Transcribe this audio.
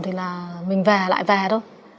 thì mình về lại về thôi